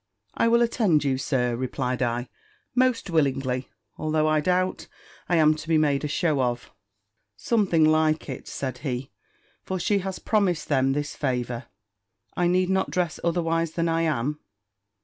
"I will attend you, Sir," replied I, "most willingly; although I doubt I am to be made a shew of." "Something like it," said he, "for she has promised them this favour." "I need not dress otherwise than I am?"